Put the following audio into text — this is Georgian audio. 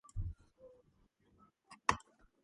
იავის ზღვის ჯაკარტის ყურესთან.